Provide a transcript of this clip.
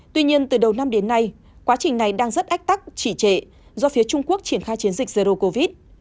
tuy nhiên từ đầu năm đến nay quá trình này đang rất ách tắc chỉ trệ do phía trung quốc triển khai chiến dịch zero covid